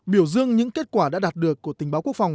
biểu dương những kết quả đã đạt được của tình báo quốc phòng